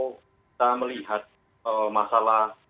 kita melihat masalah